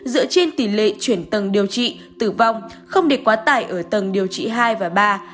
dựa trên tỷ lệ chuyển tầng điều trị tử vong không để quá tải ở tầng điều trị hai và ba